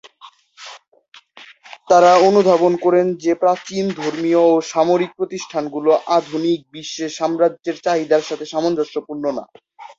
তারা অনুধাবন করেন যে প্রাচীন ধর্মীয় ও সামরিক প্রতিষ্ঠানগুলো আধুনিক বিশ্বে সাম্রাজ্যের চাহিদার সাথে সামঞ্জস্যপূর্ণ না।